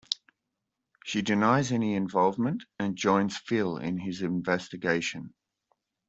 She denies any involvement, and joins Phil in his investigation.